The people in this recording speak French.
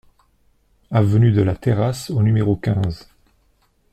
Avenue de la Terrasse au numéro quinze